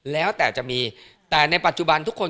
แล้วแต่จะมีแต่ในปัจจุบันทุกคน